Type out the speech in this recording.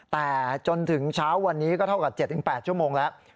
แต่จนถึงเช้าวันนี้ก็เท่ากับ๗๘ชั่วโมงแล้ว